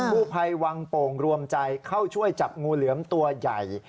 ผู้ภัยวังโป่งรวมใจเข้าช่วยจับงูเหลือมตัวใหญ่